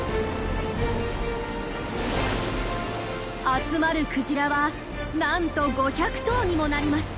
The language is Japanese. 集まるクジラはなんと５００頭にもなります！